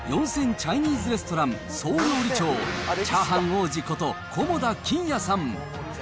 チャイニーズレストラン総料理長、チャーハン王子こと、菰田欣也さん。